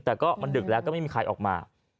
แต่ก็มันดึกแล้วก็ไม่มีใครออกมา